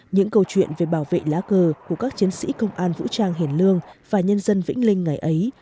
những câu chuyện về bảo vệ lá cờ của các chiến sĩ công an vũ trang hiền lương và nhân dân vĩnh linh ngày ấy